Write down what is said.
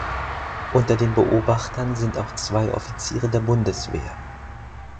Unter den Beobachtern sind auch zwei Offiziere der Bundeswehr.